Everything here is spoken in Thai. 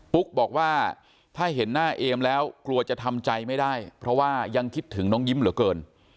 ปุ๊กบอกว่าถ้าเห็นหน้าเอมแล้วกลัวจะทำใจไม่ได้เพราะว่ายังคิดถึงน้องยิ้มเหลือเกิน